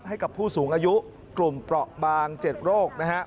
ให้กับผู้สูงอายุกลุ่มเปราะบาง๗โรคนะฮะ